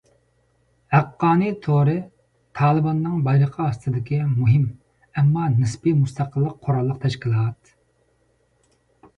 «ھەققانىي تورى» تالىباننىڭ بايرىقى ئاستىدىكى مۇھىم ئەمما نىسپىي مۇستەقىل قوراللىق تەشكىلات.